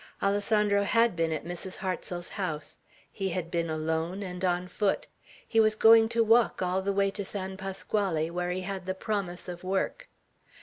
Alessandro had been at Mrs. Hartsel's house; he had been alone, and on foot; he was going to walk all the way to San Pasquale, where he had the promise of work.